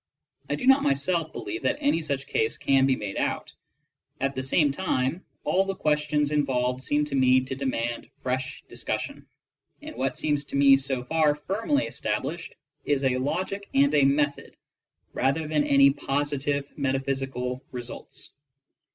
I do not myself believe that any such case can be made out ; at the same time, all the questions involved seem to me to demand fresh discussion, and what seems to me so far firmly established is a logic and a method, rather than any positive metaphysical results.